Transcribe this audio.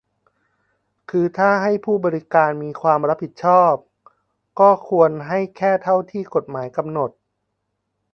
คือถ้าผู้ให้บริการมีความรับผิดชอบ ก็ควรจะให้แค่เท่าที่กฎหมายกำหนด